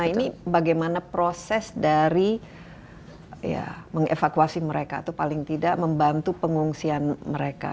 ini bagaimana proses dari mengevakuasi mereka atau paling tidak membantu pengungsian mereka